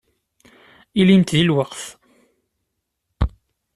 Ilimt deg lweqt.